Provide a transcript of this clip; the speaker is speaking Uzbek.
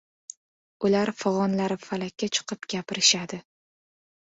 Ular fig‘onlari falakka chiqib gapirishadi.